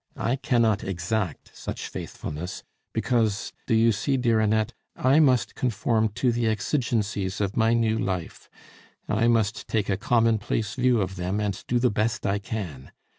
I cannot exact such faithfulness, because, do you see, dear Annette, I must conform to the exigencies of my new life; I must take a commonplace view of them and do the best I can.